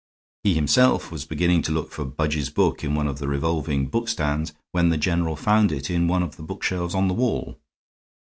He himself was beginning to look for Budge's book in one of the revolving bookstands when the general found it in one of the bookshelves on the wall.